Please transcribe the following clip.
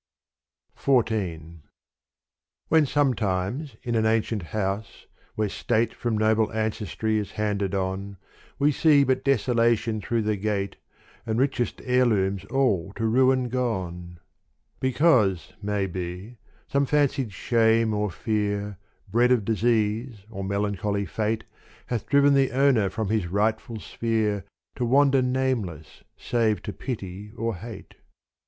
XIV When sometimes in an ancient house where state From noble ancestry is handed on, We see but desolation through the gate And richest heirlooms all to ruin gone : Because maybe some fancied shame or fear Bred of disease or melancholy fate Hath driven the owner from his rightful sphere To wander nameless save to pity or hate.